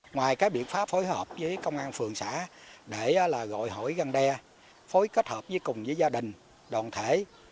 ngoài biện pháp phối hợp với công an phường xã để gọi hỏi gian đe phối kết hợp cùng gia đình đoàn thể